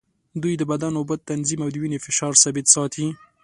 دوی د بدن اوبه تنظیم او د وینې فشار ثابت ساتي.